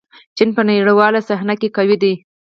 چین په نړیواله صحنه کې قوي دی.